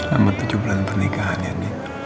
selamat tujuh bulan pernikahan ya nien